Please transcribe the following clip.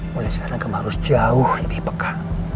mulai sekarang kemarus jauh lebih pekat